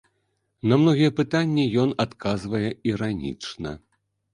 На многія пытанні ён адказвае іранічна.